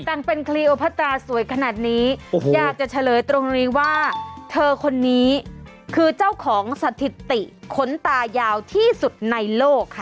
แต่งเป็นคลีโอภาตราสวยขนาดนี้อยากจะเฉลยตรงนี้ว่าเธอคนนี้คือเจ้าของสถิติขนตายาวที่สุดในโลกค่ะ